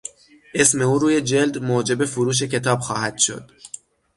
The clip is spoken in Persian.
اسم او روی جلد موجب فروش کتاب خواهد شد.